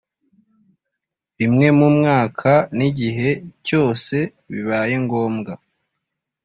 rimwe mu mwaka n igihe cyose bibaye ngombwa